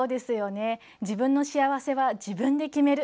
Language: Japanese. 自分の幸せは自分で決める。